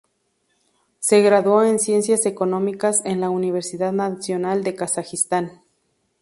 Se graduó en ciencias económicas en la Universidad Nacional de Kazajistán.